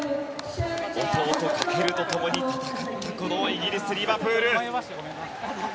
弟・翔とともに戦ったこのイギリス・リバプール。